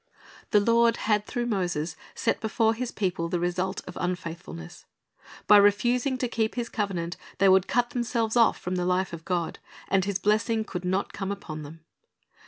"^ The Lord had through Moses set before His people the result of unfaithfulness. By refusing to keep His covenant, they would cut themselves off from the life of God, and His blessing could not come upon them.